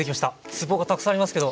つぼがたくさんありますけど。